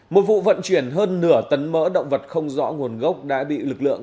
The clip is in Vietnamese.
một vụ vận chuyển hơn nửa tấn mỡ động vật không rõ nguồn gốc đã bị lực lượng